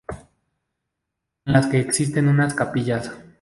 En las que existen unas capillas.